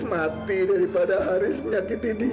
lebih baik haris mati daripada haris menyakiti dia